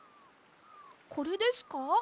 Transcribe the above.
これですか？